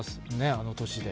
あの年で。